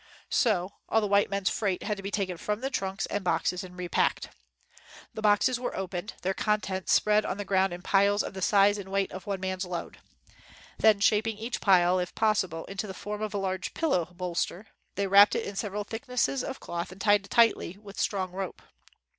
So all the white men's freight had to be taken from trunks and boxes and repacked. The boxes were opened, their contents spread out on the ground in piles of the size and weight of one man's load. Then shaping each pile, if possible, into the form of a large pillow bolster, they wrapped it in several thick nesses of cloth and tied it tightly with strong rope.